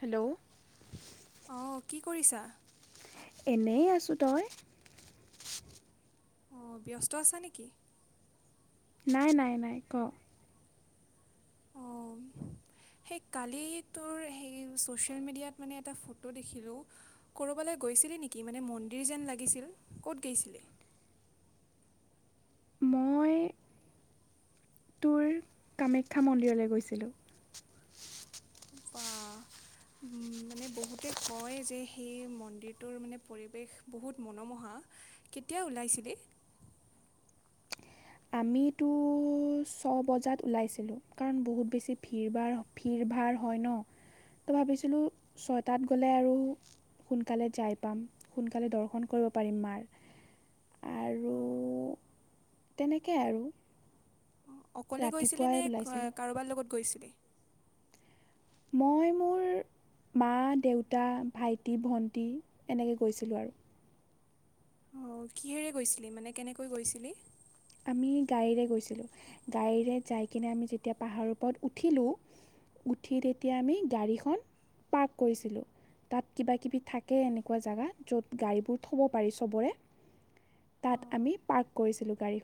Hello অ কি কৰিছা? এনেই আছো, তই? অঁ ব্যস্ত আছা নেকি? নাই নাই নাই ক? অঁ সেই কালি তোৰ সেই ছ'চিয়েল মিডিয়াত মানে এটা ফটো দেখিলোঁ। ক'ৰবালৈ গৈছিলি নেকি মানে মন্দিৰ যেন লাগিছিল, ক'ত গৈছিলি? মই তোৰ কামাখ্যা মন্দিৰলৈ গৈছিলোঁ। বাহ মানে বহুতে কয় যে সেই মন্দিৰটোৰ মানে পৰিৱেশ বহুত মনোমোহা। কেতিয়া ওলাইছিলি? আমিতো ছ বজাত ওলাইছিলোঁ কাৰণ বহুত বেছি ভিৰ ভাৰ ভিৰ ভাৰ হয় ন তো ভাবিছিলোঁ ছয়টাত গ'লে আৰু সোনকালে যাই পাম সোনকালে দৰ্শন কৰিব পাৰিম মাৰ। অ তেনেকে আৰু অঁ, অকলে গৈছিলে ৰাতিপুৱাই নে ওলাইছিলোঁ কাৰোবাৰ লগত গৈছিলি? মই মোৰ মা দেউতা ভাইটি ভণ্টি এনেকে গৈছিলোঁ আৰু। অঁ কিহেৰে গৈছিলি মানে, কেনেকৈ গৈছিলি? আমি গাড়ীৰে গৈছিলোঁ, গাড়ীৰে যাই কিনে আমি যেতিয়া পাহাৰৰ ওপৰত উঠিলোঁ উঠি তেতিয়া আমি গাড়ীখন পাৰ্ক কৰিছিলোঁ। তাত কিবা কিবি থাকে এনেকুৱা জেগা য'ত গাড়ীবোৰ থ'ব পাৰি চবৰে তাত অঁ আমি পাৰ্ক কৰিছিলোঁ গাড়ী।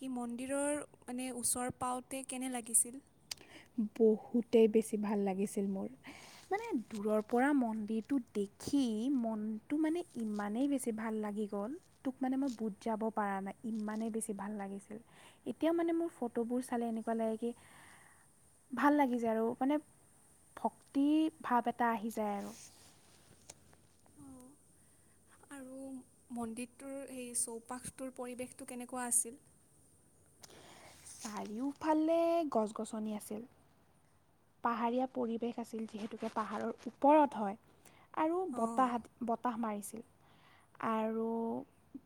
কি মন্দিৰৰ মানে ওচৰ পাওঁতে কেনে লাগিছিল? বহুতেই বেছি ভাল লাগিছিল মোৰ। মানে দূৰৰ পৰা মন্দিৰটো দেখি মনটো মানে ইমানেই বেছি বেছি ভাল লাগি গ'ল, তোক মানে মই বুজাব পৰা নাই ইমানেই বেছি ভাল লাগিছিল। এতিয়া মানে মোৰ ফটোবোৰ চালে এনেকুৱা লাগে কি ভাল লাগি যায় আৰু মানে ভক্তি ভাৱ এটা আহি যায় আৰু। অঁ আৰু মন্দিৰটোৰ সেই চৌপাশটোৰ পৰিৱেশটো কেনেকুৱা আছিল? চাৰিওফালে গছ গছনি আছিল। পাহাৰীয়া পৰিৱেশ আছিল যিহেতুকে পাহাৰৰ ওপৰত হয়। আৰু অঁ বতাহ বতাহ মাৰিছিল আৰু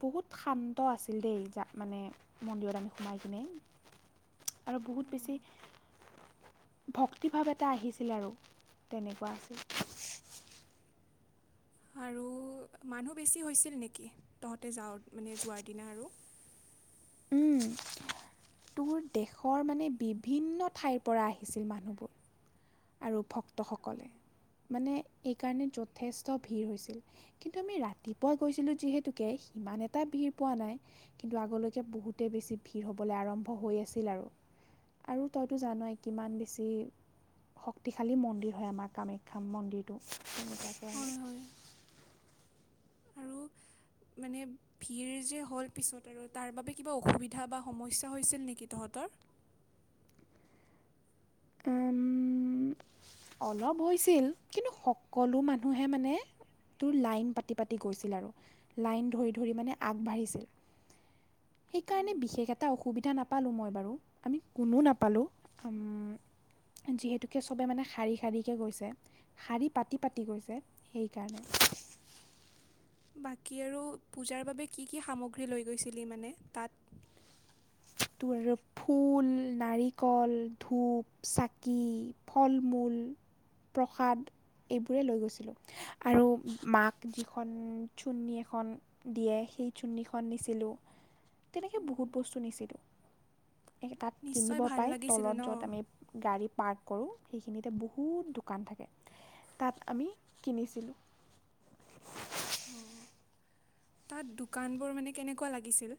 বহুত শান্ত আছিল দেই যাক মানে মন্দিৰত আমি সোমাই কিনে আৰু বহুত বেছি ভক্তিভাৱ এটা আহিছিল আৰু তেনেকুৱা আছিল। আৰু মানুহ বেছি হৈছিল নেকি, তহঁতে যাওঁ মানে যোৱাৰ দিনা আৰু। উম তোৰ দেশৰ মানে বিভিন্ন ঠাইৰ পৰা আহিছিল মানুহবোৰ। আৰু ভক্তসকলে মানে এইকাৰণে যথেষ্ট ভিৰ হৈছিল। কিন্তু আমি ৰাতিপুৱা গৈছিলো যিহেতুকে সিমান এটা ভিৰ পোৱা নাই। কিন্তু আগলৈকে বহুতে বেছি ভিৰ হবলৈ আৰম্ভ হৈ আছিল আৰু। আৰু তইতো জানই কিমান বেছি শক্তিশালী মন্দিৰ হয়, আমাৰ কামাখ্যা মন্দিৰটো, তেনেকুৱাকে হয় আৰু। হয় আৰু মানে ভিৰ যে হ'ল পিছত আৰু, তাৰ বাবে কিবা অসুবিধা বা সমস্যা হৈছিল নেকি তহঁতৰ? উম', অলপ হৈছিল, কিন্তু সকলো মানুহে মানে তোৰ লাইন পাতি পাতি গৈছিল আৰু, লাইন ধৰি ধৰি মানে আগবাঢ়িছিল। সেইকাৰণে বিশেষ এটা অসুবিধা নাপালোঁ মই বাৰু, আমি কোনো নাপালোঁ। উম। যিহেতুকে চবে মানে শাৰী শাৰীকৈ গৈছে, শাৰী পাতি পাতি গৈছে সেইকাৰণে। বাকী আৰু পূজাৰ বাবে কি কি সামগ্ৰী লৈ গৈছিলি, মানে তাত। তোৰ আৰু ফুল, নাৰিকল, ধূপ, চাকি ফল মূল, প্ৰসাদ এইবোৰে লৈ গৈছিলোঁ। আৰু মাক যিখন চুৰ্নি এখন দিয়ে, সেই চুৰ্নিখন নিছিলোঁ, তেনেকে বহুত বস্তু নিছিলো। তাত নিশ্চয় কিনিব ভাল পায়, লাগিছিল তলত য'ত আমি ন গাড়ী পাৰ্ক কৰোঁ, সেইখিনিতে বহুত দোকান থাকে। তাত আমি কিনিছিলোঁ। উম', তাত দোকান বোৰ মানে কেনেকুৱা লাগিছিল?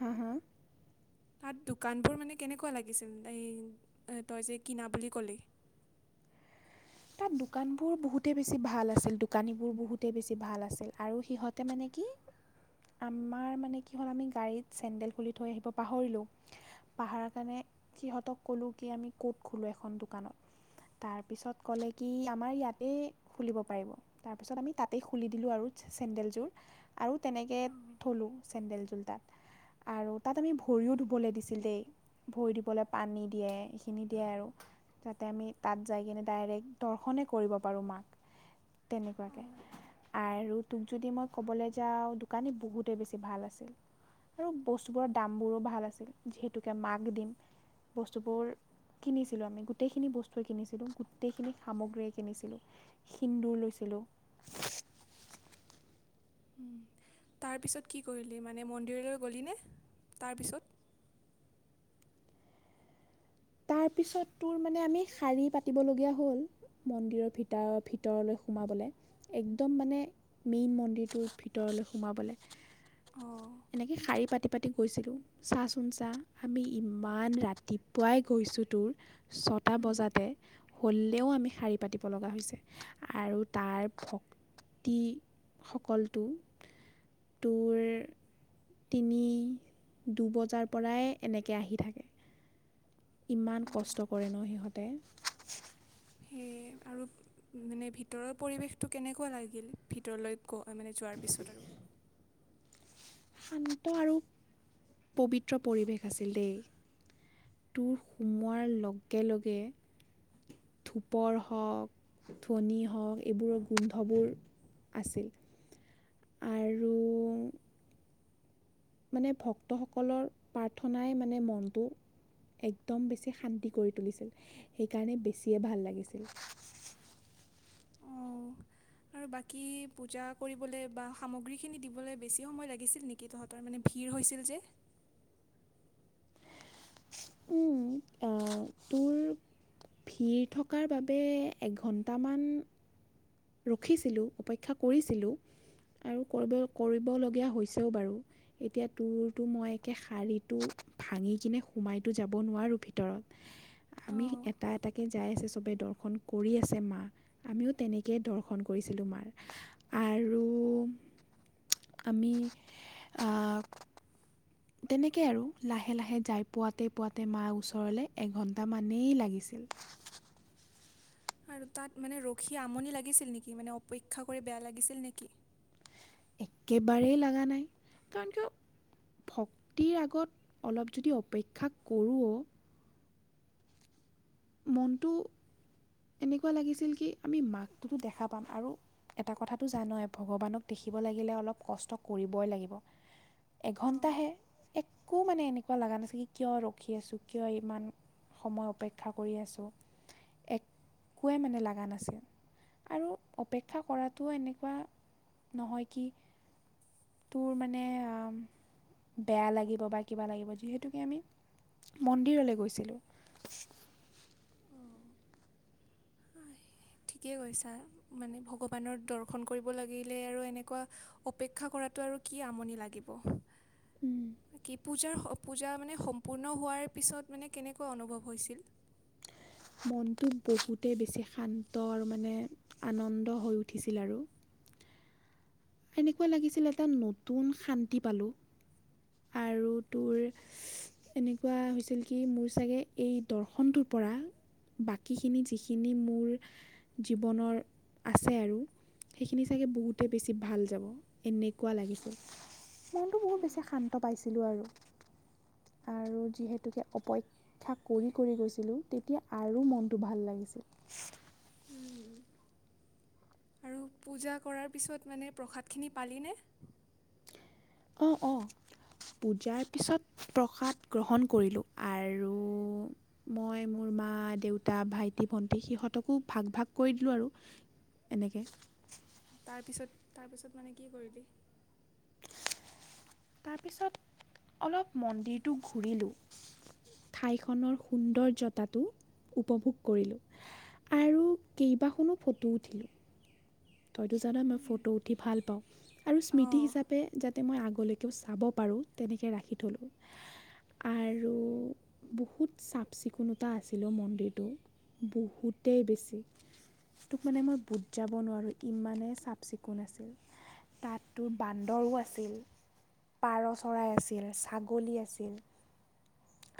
হা? হা? তাত দোকানবোৰ মানে কেনেকুৱা লাগিছিল? এই তই যে কিনা বুলি ক'লি। তাত দোকানবোৰ বহুতেই বেছি ভাল আছিল, দোকানীবোৰ বহুতেই বেছি ভাল আছিল, আৰু সিহঁতে মানে কি আমাৰ মানে কি হ'ল আমি গাড়ীত চেণ্ডেল খুলি থৈ আহিব পাহৰিলোঁ। পাহাৰা কাৰণে সিহঁতক ক'লো কি আমি ক'ত খোলো এখন দোকানত? তাৰ পিছত ক'লে কি আমাৰ ইয়াতে খুলিব পাৰিব, তাৰপিছত আমি তাতেই খুলি দিলোঁ আৰু চেনডেলযোৰ। আৰু তেনেকে থলো, চেডেলজোৰ তাত। আৰু তাত আমি ভৰিও ধুবলৈ দিছিল দেই, ভৰি দিবলৈ পানী দিয়ে সেইখিনি দিয়ে আৰু। যাতে আমি তাত যাই কিনে ডাইৰেক্ট দৰ্শনে কৰিব পাৰোঁ মাক, তেনেকুৱাকে। আৰু তোক যদি মই ক'বলৈ যাওঁ, দোকানী বহুতে বেছি ভাল আছিল। আৰু বস্তুবোৰৰ দাম বোৰো ভাল আছিল, যিহেতুকে মাক দিম। বস্তুবোৰ কিনিছিলোঁ আমি, গোটেইখিনি বস্তুৱে কিনিছিলোঁ। গোটেইখিনি সামগ্ৰীয়ে কিনিছিলোঁ, সিন্দুৰ লৈছিলোঁ। তাৰপিছত কি কৰিলি মানে? মন্দিৰলৈ গ'লিনে তাৰপিছত? তাৰপিছত তোৰ মানে আমি শাৰী পাতিবলগীয়া হ'ল। মন্দিৰৰ ভিত ভিতৰলৈ সোমাবলৈ। একদম মানে মেইন মন্দিৰটোৰ ভিতৰলৈ সোমাবলৈ। অঁ এনেকে শাৰী পাতি শাৰি পাতি গৈছিল, চা চোন চা, আমি ইমান ৰাতিপুৱাই গৈছোঁ তোৰ, ছয়টা বজাতে। হ'লেও আমি শাৰী পাতিব লগা হৈছে, আৰু তাৰ ভ তি সকলটো [inaudible] তিনি দুবজাৰ পৰাই এনেকৈ আহি থাকে। ইমান কষ্ট কৰে ন সিহঁতে? সেয়ে, আৰু মানে ভিতৰৰ পৰিৱেশটো কেনেকুৱা লাগিল, ভিতৰলৈ গ মানে যোৱাৰ পিছত আৰু। শান্ত আৰু, পবিত্ৰ পৰিৱেশ আছিল দেই। তোৰ সোমোৱাৰ লগে লগে ধোপৰ হওঁক, ধোনি হওঁক এইবোৰৰ গোন্ধবোৰ আছিল, আৰু মানে ভক্তসকলৰ প্ৰাৰ্থনাই মানে মনটো একদম বেছি শান্তি কৰি তুলিছিল, সেইকাৰণে বেছিয়ে ভাল লাগিছিল। অঁ আৰু বাকী পূজা কৰিবলৈ বা সামগ্ৰীখিনি দিবলৈ বেছি সময় লাগিছিল নেকি কি তহঁতৰ মানে ভিৰ হৈছিল যে। উম, আহ তোৰ ভিৰ থকাৰ বাবে একঘণ্টামান ৰখিছিলোঁ, অপেক্ষা কৰিছিলোঁ, আৰু কৰিব কৰিবলগীয়া হৈছেও বাৰু। এতিয়া তোৰতো, মই একে শাৰীটো ভাঙি কিনে সোমাইতো যাব নোৱাৰোঁ ভিতৰত। আমি অঁ এটা এটাকে যাই আছে চবে দৰ্শন কৰি আছে, মা আমিও তেনেকে ে দৰ্শন কৰিছিলোঁ, আৰু আমি, আহ তেনেকে আৰু লাহে, লাহে যাই পোৱাতে, পোৱাতে মাৰ ওচৰলে এঘণ্টামানেই লাগিছিল। আৰু তাত মানে ৰখি আমনি লাগিছিল নেকি, মানে অপেক্ষা কৰি বেয়া লাগিছিল নেকি। একেবাৰেই লগা নাই, কাৰণ ভক্তিৰ আগত, অলপ যদি অপেক্ষা কৰোঁ মনটো, এনেকুৱা লাগিছিল কি আমি মাকটোতো দেখা পাম আৰু এটা কথাটো জানয়ে ভগৱানক দেখিব লাগিলে অলপ কষ্ট কৰিবই লাগিব। অঁ এঘণ্টাহে, একো মানে এনেকুৱা লগা নাছিল কি কিয় ৰখি আছোঁ, কিয় ইমান সময় অপেক্ষা কৰি আছোঁ, একোৱেই মানে লগা নাছিল। আৰু অপেক্ষা কৰাটোও এনেকুৱা, নহয় কি তোৰ মানে, বেয়া লাগিব বা কিবা লাগিব যিহেতুকে আমি মন্দিৰলৈ গৈছিলোঁ। ঠিকেই কৈছা, মানে ভগৱানৰ দৰ্শন কৰিব লাগিলে আৰু এনেকুৱা অপেক্ষা কৰাতো আৰু কি আমনি লাগিব, কি পূজাৰ পূজা মানে সম্পূৰ্ণ হোৱাৰ পিছত মানে কেনেকৈ অনুভৱ হৈছিল? মনটো বহুতেই বেছি শান্ত আৰু মানে, আনন্দ হৈ উঠিছিল আৰু। এনেকুৱা লাগিছিল এটা নতুন শান্তি পালোঁ, আৰু তোৰ এনেকুৱা হৈছিল কি মোৰ চাগে এই দৰ্শনটোৰ পৰা বাকীখিনি যিখিনি মোৰ জীৱনৰ, আছে আৰু, সেইখিনি চাগে বহুতে বেছি ভাল যাব, এনেকুৱা লাগিছিল, মনটো বহুত বেছি শান্ত পাইছিলোঁ আৰু। আৰু যিহেতুকে অপ ক্ষা কৰি, কৰি গৈছিলোঁ তেতিয়া আৰু মনটো ভাল লাগিছিল। আৰু পূজা কৰাৰ পিছত মানে, প্ৰসাদখিনি পালিনে? অ', অ'। পূজাৰ পিছত প্ৰসাদ গ্ৰহণ কৰিলোঁ, আৰু মই মোৰ মা, দেউতা, ভাইটি, ভন্টি সিহঁতকো ভাগ ভাগ কৰি দিলোঁ আৰু। [unintelligible] তাৰপিছত, তাৰপিছত মানে কি কৰিলি? তাৰপিছত অলপ মন্দিৰটো ঘূৰিলোঁ ঠাইখনৰ সুন্দৰ্যতাটো উপভোগ কৰিলোঁ। আৰু কেইবাখনো ফটো উঠিলোঁ। তইতো জানই মই ফটো উঠি ভাল পাওঁ, আৰু স্মৃতি অঁ হিচাপে পে যাতে মই আগলৈকেও চাব পাৰোঁ তেনেকৈ ৰাখি থলো। আৰু বহুত চাফ চিকুণতা আছিল অ' মন্দিৰটো। বহুতেই বেছি! তোক মানে মই বুজাব নোৱাৰোঁ। কিমানে চাফ-চিকুণ আছিল। তাত তোৰ বান্দৰো আছিল। পাৰ চৰাই আছিল, ছাগলী আছিল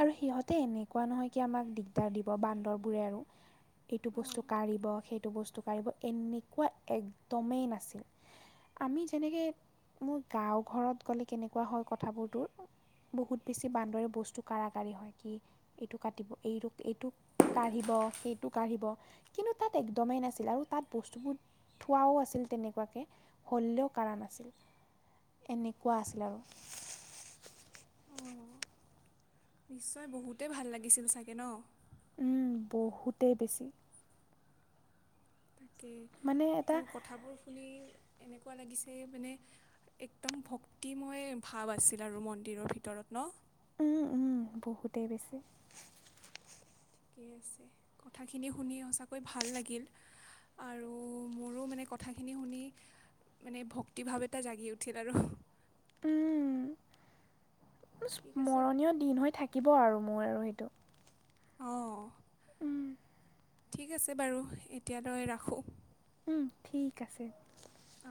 আৰু সিহঁতে এনেকুৱা নহয় কি আমাক দিগদাৰ দিব, বান্দৰবোৰে আৰু। এইটো অঁ বস্তু কাঢ়িব, সেইটো বস্তু কাঢ়িব এনেকুৱা একদমেই নাছিল। আমি যেনেকে মোৰ গাঁও ঘৰত গ'লে কেনেকুৱা হয় কথাবোৰ তোৰ বহুত বেছি বান্দৰে বস্তু কাঢ়া-কাঢ়ি হয় কি এইটো কাটিব হইটো-এইটোক কাঢ়িব সেইটো, কাঢ়িব কিন্তু তাত একদমেই নাছিল আৰু তাত বস্তুবোৰ থোৱাও আছিল তেনেকুৱাকে হ'লেও কাঢ়া নাছিল। এনেকুৱা আছিল আৰু। অঁ নিশ্চয় বহুতেই ভাল লাগিছিল চাগে ন? উম, বহুতেই বেছি! তাকেই, মানে তোৰ এটা কথাবোৰ শুনি এনেকুৱা লাগিছে মানে একদম ভক্তিময় ভাৱ আছিল আৰু মন্দিৰৰ ভিতৰত ন? উম, উম, বহুতেই বেছি। ঠিকেই আছে। কথাখিনি শুনি সঁচাকৈ ভাল লাগিল। আৰু মোৰো মানে কথাখিনি শুনি মানে ভক্তিভাৱ এটা জাগি উঠিল আৰু। উম, ঠিক আছে স্মৰণীয় দিন হৈ থাকিব আৰু মোৰ আৰু হেইটো। অ'। ঠিক আছে বাৰু, এতিয়া দৰে ৰাখোঁ। উম, ঠিক আছে। অ'।